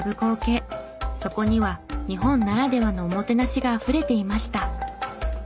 そこには日本ならではのおもてなしがあふれていました。